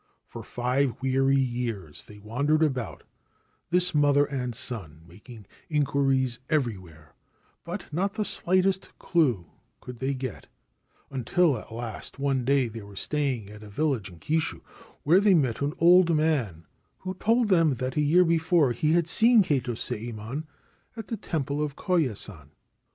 For five weary years they wandered about, this mother and son, making inquiries everywhere ; but not the slightest clue could they get, until at last one day they were staying at a village in Kishu, where they met an old man who told them that a year before he had seen Kato Sayemon at the temple of Koya San.